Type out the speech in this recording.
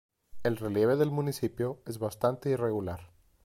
El relieve del municipio es bastante irregular.